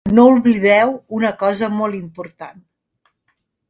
No oblideu una cosa molt important.